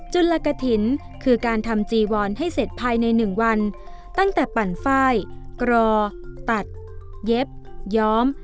ลกฐินคือการทำจีวอนให้เสร็จภายใน๑วันตั้งแต่ปั่นฝ้ายกรอตัดเย็บย้อม